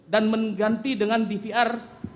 dan mengganti dengan dvr